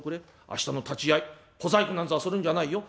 明日の立ち合い小細工なんざするんじゃないよ。